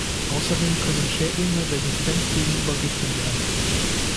Außerdem können Schädlinge resistent gegenüber Giften werden.